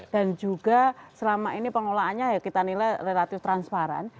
dan juga selama ini pengolahannya ya kita nilai relatif transparan